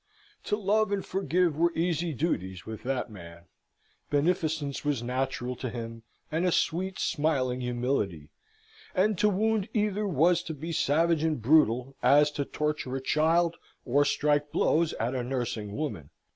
To love and forgive were easy duties with that man. Beneficence was natural to him, and a sweet, smiling humility; and to wound either was to be savage and brutal, as to torture a child, or strike blows at a nursing woman.